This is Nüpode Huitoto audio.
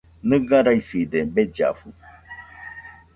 Nɨga raifide bellafu.